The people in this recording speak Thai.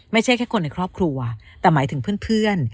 ไม่ใช่แค่คนในครอบครัวแต่หมายถึงเพื่อน